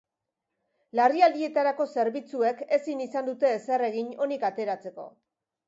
Larrialdietarako zerbitzuek ezin izan dute ezer egin onik ateratzeko.